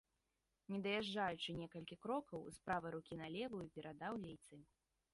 Не даязджаючы некалькі крокаў, з правай рукі на левую перадаў лейцы.